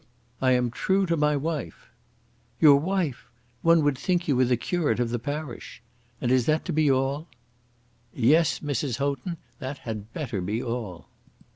"I am true to my wife." "Your wife! One would think you were the curate of the parish. And is that to be all?" "Yes, Mrs. Houghton; that had better be all."